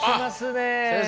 先生。